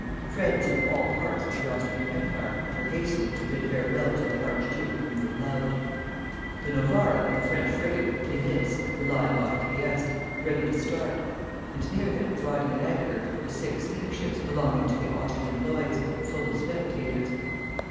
Friends from all parts of the Austrian Empire were hastening to bid farewell to the Archduke whom they loved. The "Novara" and the French frigate "Thémis" were lying off Trieste, ready to start; and near them, riding at anchor, were six steamships belonging to the Austrian Lloyds, full of spectators.